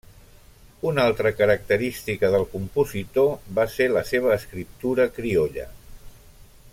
Una altra característica del compositor va ser la seva escriptura criolla.